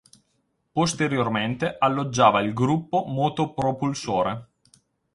Posteriormente alloggiava il gruppo motopropulsore.